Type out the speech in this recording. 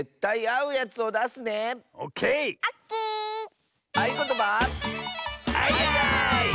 「あいあい」！